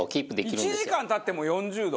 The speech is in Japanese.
１時間経っても４０度？